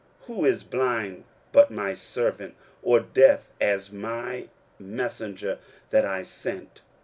23:042:019 Who is blind, but my servant? or deaf, as my messenger that I sent?